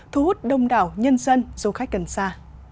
thu hút đông đảo nhân dân du khách gần xa